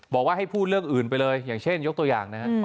บอกว่าให้พูดเรื่องอื่นไปเลยอย่างเช่นยกตัวอย่างนะครับ